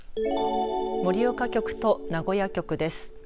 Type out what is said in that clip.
盛岡局と名古屋局です。